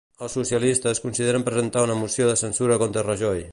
Els socialistes consideren presentar una moció de censura contra Rajoy.